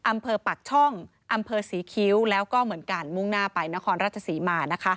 อำเภอปากช่องอำเภอศรีคิ้วแล้วก็เหมือนกันมุ่งหน้าไปนครราชศรีมา